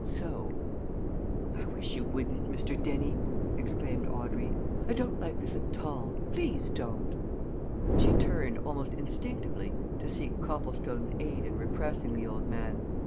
So " "I wish you wouldn't, Mr. Dennie!" exclaimed Audrey. "I don't like this at all. Please don't!" She turned, almost instinctively, to seek Copplestone's aid in repressing the old man.